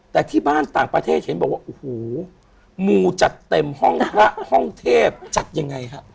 แต่ที่บ้านต่างประเทศเห็นบอกว่าโอ้โหมูจัดเต็มห้องพระห้องเทพจัดยังไงฮะ